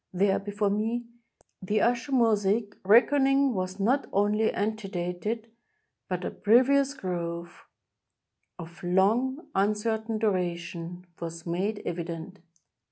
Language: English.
There, before me, the Usher Mo saic reckoning was not only antedated, but a previous growth, of long, uncertain duration, was made evident.